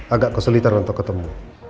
agak kesulitan untuk ketemu